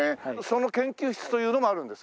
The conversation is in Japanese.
その研究室というのがあるんですか？